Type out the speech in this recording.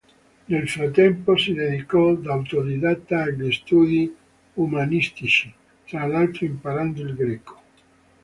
Nel frattempo si dedicò da autodidatta agli studi umanistici, tra l'altro imparando il greco.